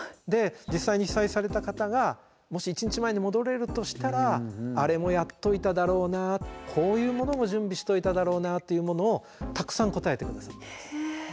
で実際に被災された方がもし一日前に戻れるとしたらあれもやっといただろうなこういうものも準備しといただろうなというものをたくさん答えて下さっています。